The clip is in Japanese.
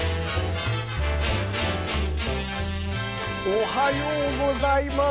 おはようございます。